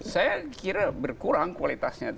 saya kira berkurang kualitasnya